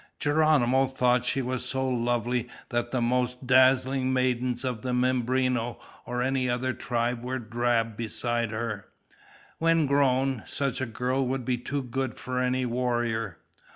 Geronimo thought she was so lovely that the most dazzling maidens of the Mimbreno or any other tribe were drab beside her. When grown, such a girl would be too good for any warrior.